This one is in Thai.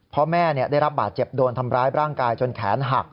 พ่อแม่ได้รับบาดเจ็บโดนทำร้ายร่างกายจนแขนหัก